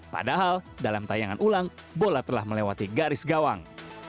padahal dalam tayangan ulang bola telah melewati garis gawang